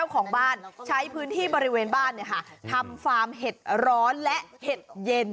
ของบ้านใช้พื้นที่บริเวณบ้านทำฟาร์มเห็ดร้อนและเห็ดเย็น